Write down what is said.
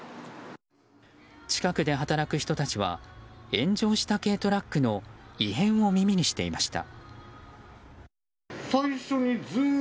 近くで働く人たちは炎上した軽トラックの異変を耳にしていました。